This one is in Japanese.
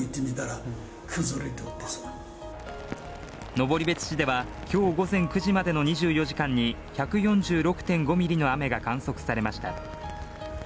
登別市では今日午前９時までの２４時間に１４６．５ミリの雨が観測されました。